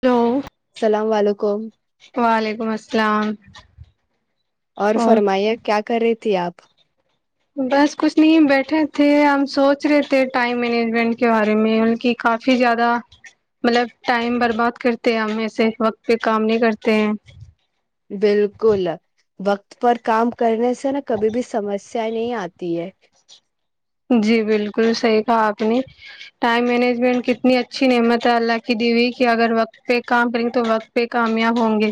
Hello السلام علیکم وعلیکم السلام اور فرمائیے کیا کر رہی تھی آپ بس کچھ نہیں بیٹھے تھے ہم سوچ رہے تھے ٹائم مینجمنٹ کے بارے میں ان کی کافی زیادہ مطلب ٹائم برباد کرتے ہم ایسے وقت پہ کام نہیں کرتے ہیں بالکل وقت پر کام کرنے سے نا کبھی بھی سمج سمسیاۓ نہیں آتی ہے جی بالکل صحیح کہا آپ نے ٹائم مینجمنٹ کی اتنی اچھی نعمت ہے اللہ کی دی ہوئی کہ اگر وقت پہ کام کریں گے تو وقت پہ کامیاب ہوں گے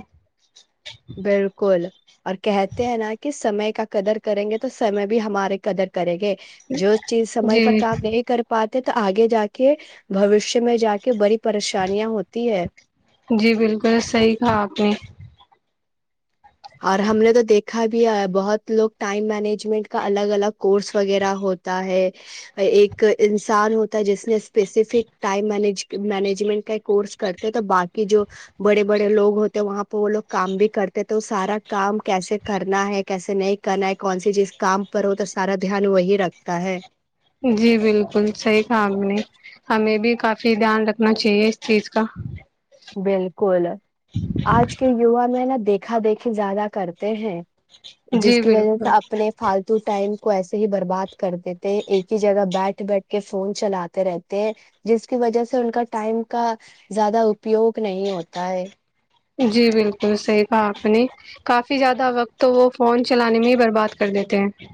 بالکل اور کہتے ہیں نا کہ سمے کا قدر کریں گے تو سمے بھی ہمارے قدر کریں گے جو چیز سمے جی پ کام نہیں کر پاتی تو آگے جا کے بوشیہ میں جا کے بڑی پریشانیاں ہوتی ہے جی بالکل صحیح کہا آپ نے اور ہم نے تو دیکھ دکھا بھی ہے بہت لوگ ٹائم مینجمنٹ کا الگ الگ کورس وغیرہ ہوتا ہے ایک انسان ہوتا ہے جس نے اسپیسیفک ٹائم م مینجمنٹ کا کورس کرتے ہیں تو باقی جو بڑے بڑے لوگ ہوتے وہاں پہ وہ لوگ کام بھی کرتے تھے تو سارا کام کیسے کرنا ہے کیسے نہیں کرنا ہے کون سی جس کام پر ہو تو سارا دھیان وہی رکھتا ہے جی بالکل صحیح کہ ہم نے ہمیں بھی کافی دھیان رکھنا چاہیے اس چیز کا بالکل آج کے یوا میں نا دیکھا دیکھی زیادہ کرتے ہیں جس جی کی وجہ سے بالکل اپنے فالتو ٹائم کو ایسے ہی برباد کر دیتے ہیں ایک ہی جگہ بیٹھ بیٹھ کے فون چلاتے رہتے ہیں جس کی وجہ سے ان کا ٹائم کا زیادہ اپیوگ نہیں ہوتا ہے جی بالکل تو صحی کہا آپ نے کافی زیادہ وقت وہ فون چلانے میں ہی برباد کر دیتے ہیں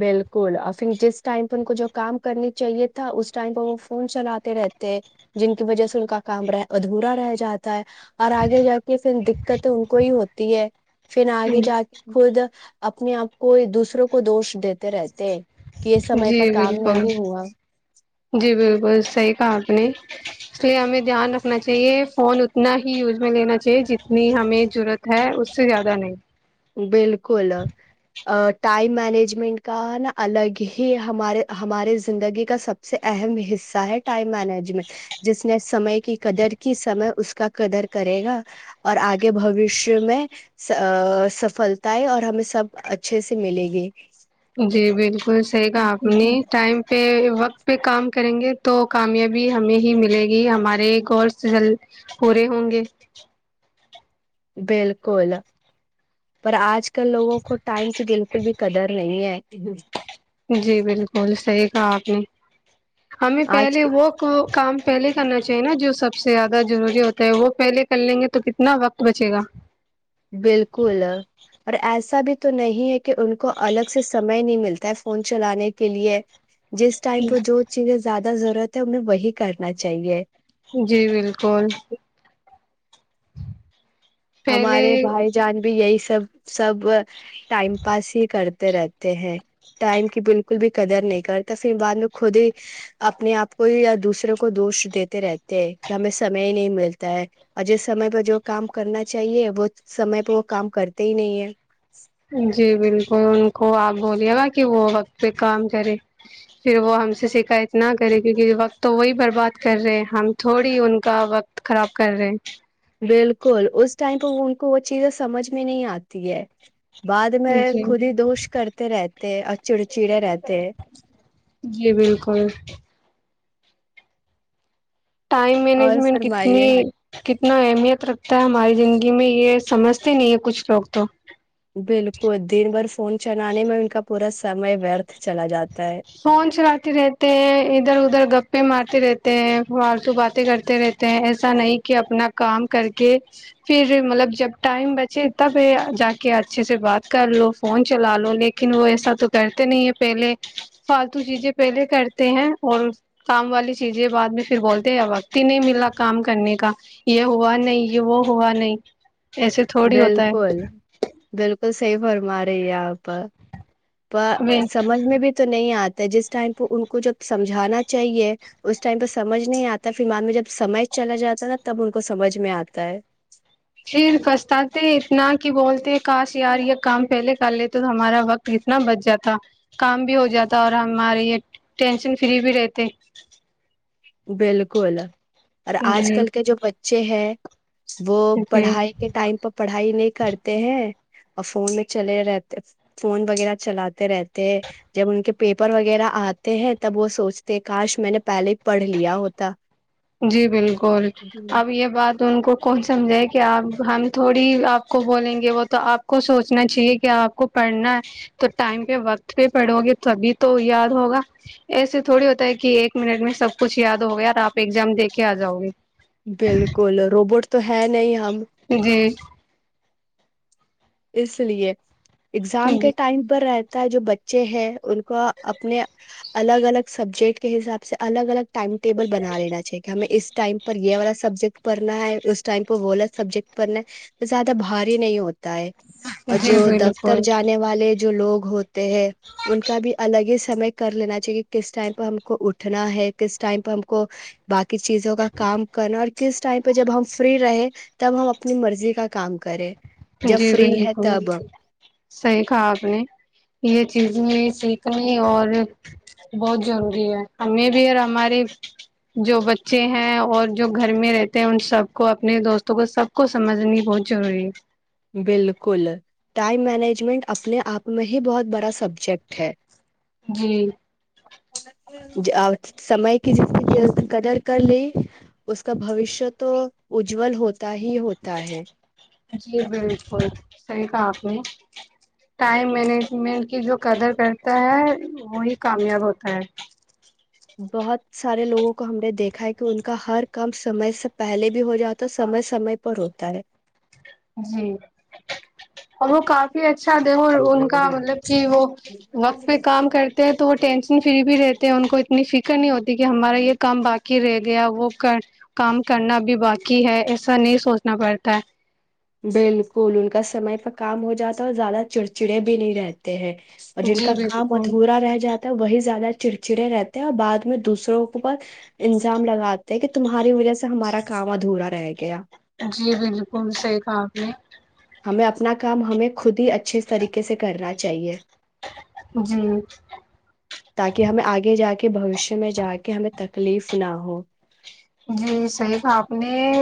بالکل اور پھر جس ٹائم پہ ان کو جو کام کرنی چاہیے تھا اس ٹائم پہ وہ فون چلاتے رہتے جن کی وجہ سے ان کا کام ادھورا رہ جاتا ہے اور آگے جا کے پھر دقت ان کو ہی ہوتی ہے پھر آگے جا کے خود اپنے آپ کو دوسروں کو دوش د تو رہتے کہ یہ سمے جی پہ کام بالکل نہیں ہوا جی بالکل صحی کہا آپ نے اس لیے ہمیں دھیان رکھنا چاہیے فون اتنا ہی یوز میں لینا چاہیے جتنی ہمیں ضرورت ہے اس سے زیادہ نہیں بالکل ٹائم مینجمنٹ کا نا الگ ہی ہمارے ہمارے زندگی کا سب سے اہم حصہ ہے ٹائم مینجمنٹ جس نے سمے کی قدر کی سمے اس کا قدر کرے گا اور آگے بوشیہ میں سفلتا ہے اور ہمیں سب اچھے سے ملے گی جی بالکل صحیح کہ آپ نے ٹائم پہ وقت پہ کام کریں گے تو کامیابی ہمیں ہی ملے گی ہمارے گور سے جل پورے ہوں گے بالکل پر آج کل لوگوں کو ٹائم کی بالکل بھی قدر نہیں ہے [inaudible] جی بالکل صحیح کہا آپ نے ہمیں آج پہلے وہ کام پہلے کرنا چاہیے نا جو سب سے زیادہ ضروری ہوتا ہے وہ پہلے کر لیں گے تو کتنا وقت بچے گا بالکل اور ایسا بھی تو نہیں ہے کہ ان کو الگ سے سمئے نہیں ملتا ہے فون چلانے کے لیے جس ٹائم پ جو چیزیں زیاد ضرورت ہے انہیں وہی کرنا چاہیے جی بالکل پہلے ہمارے بھائی جان بھی یہی سب سب ٹائم پاس ہی کرتے رہتے ہیں ٹائم کی بالکل بھی قدر نہیں کرتا پھر بعد میں خود ہی اپنے آپ کو یا دوسروں کو دوش دیتے رہتے ہیں کہ ہمیں سمے ہی نہیں ملتا ہے اور جس سمے پ جو کام کرنا چاہیے وہ سمے پہ وہ کام کرتے ہی نہیں ہے ہم جی بالکل ان کو آپ بولیے گا کہ وہ وقت پہ کام کرے پھر وہ ہم سے شکایت نہ کرے کیونکہ وقت تو وہی برباد کر رہے ہم تھوڑی ان کا وقت خراب کر رہے ہیں بالکل اس ٹائم پہ ان کو وہ چیزیں سمجھ میں نہیں آتی ہے بعد ہیں میں جی خود ہی دوش کرتے رہتے چڑچڑے رہتے ہیں۔ جی بالکل ٹائم اور مینجمنٹ کتنی فرمائیے کتنا اہمیت رکھتا ہے ہماری زندگی میں یہ سمجھتے نہیں ہے کچھ لوگ تو بالکل دن بھر فون چلانے میں ان کا پورا سمے ورتھ چلا جاتا ہے فون چلتی رہتے ادھر ادھر گپے مارتی رہتے ہیں فالتو باتیں کرتے رہتے ہیں ایسا نہیں کہ اپنا کام کر کے پھر مطلب جب ٹائم بچے تب جا کے اچھے سے بات کر لو فون چلا لو لیکن وہ ایسا تو کرتے نہیں ہے پہلے فالتو چیزیں پہلے کرتے ہیں اور کام والی چیزیں بعد میں پھر بولتے ہیں وقت ہی نہیں ملا کام کرنے کا یہ ہوا نہیں یہ وہ ہوا نہیں ایسے تھوڑی ہوتا ہے تو صحی فرما رہی ہے آپ ہے سمجھ میں بھی تو نہیں آتا جس ٹائم پہ ان کو جب سمجھانا چاہیے اس ٹائم پہ سمجھ نہیں آتا پھر مد میں جب سمجھ چلا جاتا ہے نا تب ان کو سمجھ میں آتا ہے پھر پچھتاتے اتنا کہ بولتے کاش یار یہ کام پہلے کر لیتے ہمارا وقت اتنا بچ جاتا کام بھی ہو جاتا اور ہمارے یہ ٹینشن فری بھی رہتے بالکل اور آج جی کل کے جو بچے ہیں وہ جی پڑھائی کے ٹائم پ پڑھائی نہیں کرتے ہیں اور فون میں چلے رہتے فون وغیرہ چلاتے رہتے ہیں جب ان کے پیپر وغیرہ آتے ہیں تب وہ سوچتے کاش میں نے پہلے پڑھ لیا ہوتا جی بالکل جی اب یہ بات تو ان کو کون سمجھائے کہ آپ ہم تھوڑی آپ کو بولیں گے وہ تو آپ کو سوچنا چاہیے کہ آپ کو پڑھنا ہے تو ٹائم پہ وقت پہ پڑھو گے تبھی تو یاد ہوگا ایسے تھوڑی ہوتا ہے کہ ایک منٹ میں سب کچھ یاد ہوگیا اور آپ ایگزام د کے آ جاؤ گی بالکل روبوٹ تو ہے نہیں ہم جی اس لیے اگزام جی کے ٹائم پر رہتے جو بچے ہیں ان کو اپنے الگ الگ سبجیکٹ کے حساب سے الگ الگ ٹائم ٹیبل بنا لینا چاہی کہ ہمیں اس ٹائم پر یہ والا سبجیکٹ پڑھنا ہے اس ٹائم کو بولط سبجیکٹ پڑھنا زیادہ بھاری نہیں ہوتا ہے اور جی جو دفتر بالکل جانے والے جو لوگ ہوتے ہیں ان کا بھی الگ ہی سمے کر لینا چاہیے کس ٹائم پہ ہم کو اٹھنا ہے کس ٹائم پہ ہم کو باقی کیسس چیزوں کا کام کرنا اور کس ٹائم پہ جب ہم فری رہے تب ہم اپنی مرضی کا کام کریں جب جی فری ہے بالکل تب صحیح کہا آپ نے یہ چیز سیکھنی اور بہت ضروری ہے ہمیں بھی اور ہمارے جو بچے ہیں اور جو گھر میں رہتے ہیں ان سب کو اپنے دوستوں کو سب کو سمجھنی بہت ضروری ہے بالکل ٹائم مینجمنٹ منٹ اپنے آپ میں یہ بہت بڑا سبجیکٹ ہے جی سمے کی جس قدر کر لی اس کا بوشیہ تو اجول ہوتا ہی ہوتا ہے جی بالکل صحیح کہا آپ نے ٹائم مینجمنٹ کی جو قدر کرتا ہے وہی کامیاب ہوتا ہے بہت سارے لوگوں کو ہم نے دیکھا ہے کہ ان کا ہر کام سمے سے پہلے بھی ہو جاتا سمے سمے پر روکتا رہے جی اور وہ کافی اچھا اچھا دے ان کا مطلب کہ وہ وقت پہ کام کرتے ہیں تو وہ ٹینشن فری بھی رہ ان کو اتنی فکر نہیں ہوتی کہ ہمارا یہ کام باقی رہ گیا وہ کام کرنا بھی باقی ہے ایسا نہیں سوچنا پڑتا ہے بالکل ان کا سمے پ کام ہو جاتا ہے اور زیادہ چڑچڑے بھی نہیں رہتے ہیں اور ہے جن جی کا کام بالکل ادھورا رہ جاتا ہے وہی زیادہ چڑچڑے رہتے ہیں اور بعد میں دوسروں کے ب الزام لگاتے کہ تمہاری وجہ سے ہمارا کام ادھورا رہ گیا جی بالکل صحی کہا آپ نے ہمیں اپنا کام ہمیں خود ہی اچھے طریقے سے کرنا چاہیے جی تاکہ ہمیں آگے جا کے [unintelligible] میں جا کے ہمیں تکلیف نہ ہو جی صحیح کہا آپ نے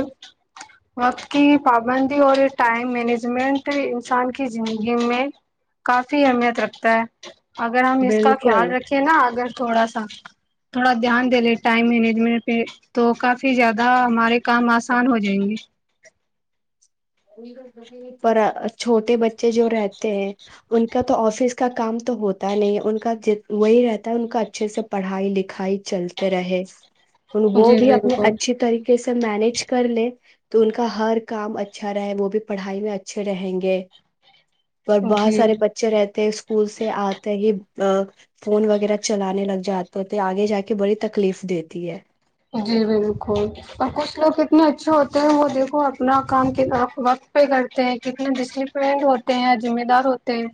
وقت کی پابندی اور ٹائم مینجمنٹ انسان کی زندگی میں کافی اہمیت رکھتا ہے اگر ہم اس کا خیال بالکل رکھے نا اگر تھوڑا سا تھوڑا دھیان دے لے ٹائم مینجمنٹ پہ تو کافی زیادہ ہمارے کام آسان ہو جائیں گے چھوٹے بچے جو رہتے ہیں ان کا تو آفس کا کام تو ہوتا نہیں ہے ان کا وہی رہتا ہے ان کا اچھے سے پڑھائی لکھائی چلتے رہے تو وہ جی بھی اپنے بالکل اچھی طریقے سے مینج کر لے تو ان کا ہر کام اچھا اچھا رہے وہ بھی پڑھائی میں اچھے رہیں گے اور بہت جی سارے بچے رہتے ہیں اسکول سے آتے ہی ا فون وغیرہ چلانے لگ جاتے ہوتے آگے جا کے بڑی تکلیف دیتی ہے جی بالکل اور کچھ لوگ کتنے اچھے ہوتے ہیں وہ دیکھو اپنا کام کنا وقت پہ کرتے ہیں کتنے ڈسپلن ہوتے ہیں ذمہ دار ہوتے ہیں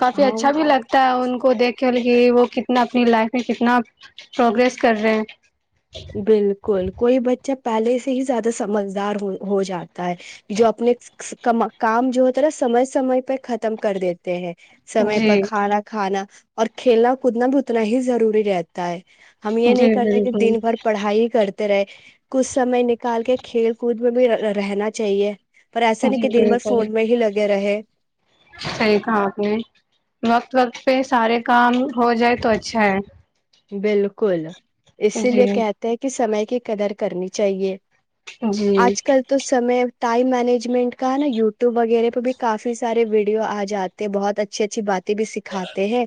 کافی اچھا بھی لگتا ہے ان ہاں کو دیکھے کہ وہ کتنا اپنی لائف میں کتنا پروگریس کر رہے ہیں بالکل کوئی بچہ پہلے سے ہی زیادہ سمجھدار ہو جاتا ہے جو اپنے کام جو ہوتا ہے نا سمے سمے پہ ختم کر دیتے ہیں سمے جی پر کھانا کھانا اور کھیلنا کودنا بھی اتنا ہی ضروری رہتا ہے ہم یہ نہیں جی کرتے کہ بالکل دن بھر کرتے رہے کچھ سمے نکال کے کھیل کود میں بھی رہنا چاہیے پر ایسا نہیں جی کہ دن بھر بالکل فون میں ہی لگے رہے صحیح کہا آپ نے وقت وقت پہ سارے کام ہو جائے تو اچھا ہے بالکل اسی لیے جی کہتے ہیں کہ سمے کی قدر کرنی چاہیے جی آج کل تو سمے ٹائم مینجمنٹ کا ہے نا یوٹیوب وغیرہ مے بھی کافی سارے ویڈیو آ جاتے ہیں بہت اچھی اچھی بات بھی سکھاتے ہیں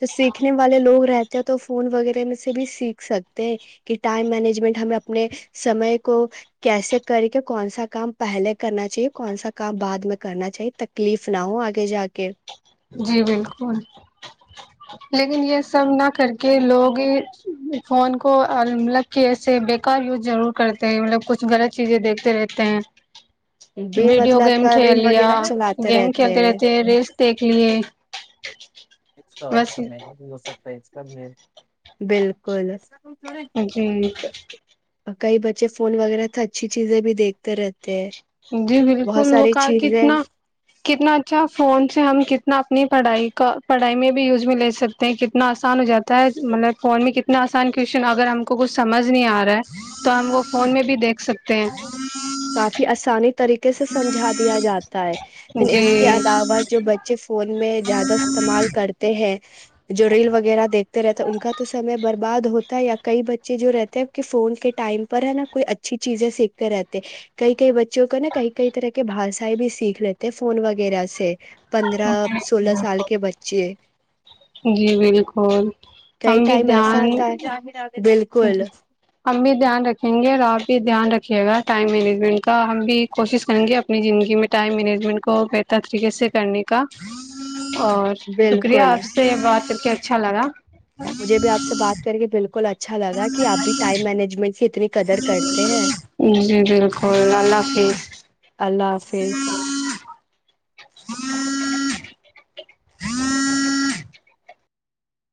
تو سیکھنے والے لوگ رہتے ہیں تو فون وغیرہ میں سے بھی سیکھ سکتے ہیں کہ ٹائم مینجمنٹ ہمیں اپنے سمے کو کیسے کر کے کون سا کام پہلے کرنا چاہیے کون سا کام بعد میں کرنا چاہیے تکلیف نہ ہو آگے جا کے جی بالکل لیکن یہ سب نہ کر کے لوگ فون کو الگ طریقے سے بیکار یوز ضرور کرتے ہیں مطلب کچھ غلط چیزیں دیکھتے رہتے ہیں بھی ویڈیو مطلب گیم کا کھیل ریل لیا وغیرہ چلاتے گیم کھیلتے رہتے ہے ریلس [inaudible] تو اچھا مہگا بھی ہو سکتا ہے سب ہیں بالکل جی کئی بچے فون وغیرہ تو اچھی چیزیں بھی دیکھتے رہتے ہیں جی بہت بالکل وہ ساری ک چیزیں کتنا کتنا اچھا فون سے ہم کت اپنی پڑھائی کا پڑھائی میں بھی یوز میں لے سکتے ہیں کتنا آسان ہو جاتا ہے مطلب فون میں کتنا آسان کوشچن اگر ہم کو کچھ سمجھ نہیں آ رہا ہے تو ہم کو فون میں بھی دیکھ سکتے ہیں کافی اا آسانی طریقے سے سمجھا دیا جاتا ہے پھر اس کے جی علاوہ جو بچے فون میں زیادہ استعمال کرتے ہیں جو ریل وغیرہ دیکھتے رہتا ہیں ان کا تو سمے برباد ہوتا ہے یا کئی بچے جو رہتے ہیں کہ فون کے ٹائم پر ہے نا کوئی اچھی چیزیں سیکھتے رہتے کئی کئی بچوں کو نا کئی کئی طرح کے بھاشائیں بھی سیکھ لیتے فون وغیرہ سے پندرہ سولہ سال کے بچے جی بالکل کئی ہم بھی ٹائم ایسا دھیان آتا ہے بالکل ہم بھی دھیان رکھیں گے اور آپ بھی دھیان رکھ کیے گا ٹائم مینجمنٹ کا ہم بھی کوشش کریں گے اپنی زندگی میں ٹائم مینجمنٹ کو بہتر طریقے سے کرنے ک اور شکریہ بالکل آپ سے بات کے اچھا لگا مجھے بھی آپ سے بات کر کے بالکل اچھا اچھا لگا آپ بھی ٹائم مینجمنٹ سے جی بالکل لالاف ہی فیز